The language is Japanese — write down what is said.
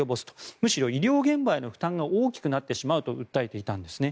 むしろ医療現場への負担が大きくなってしまうと訴えていたんですね。